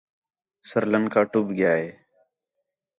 سر لنکا ٹُٻ ڳیا ہے